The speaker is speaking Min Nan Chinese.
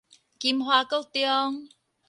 金華國中